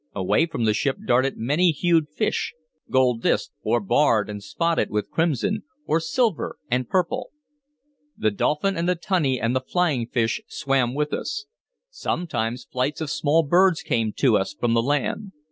Away from the ship darted many hued fish, gold disked, or barred and spotted with crimson, or silver and purple. The dolphin and the tunny and the flying fish swam with us. Sometimes flights of small birds came to us from the land.